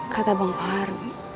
kata bang kuhar